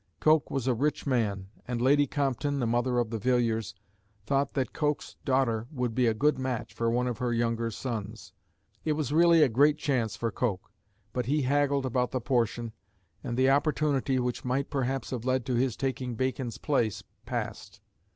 Coke was a rich man, and Lady Compton, the mother of the Villiers, thought that Coke's daughter would be a good match for one of her younger sons. It was really a great chance for Coke; but he haggled about the portion; and the opportunity, which might perhaps have led to his taking Bacon's place, passed.